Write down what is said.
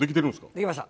できました。